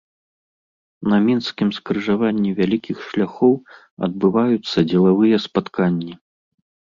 На мінскім скрыжаванні вялікіх шляхоў адбываюцца дзелавыя спатканні.